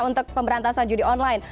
untuk pemberantasan judi online